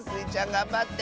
がんばって。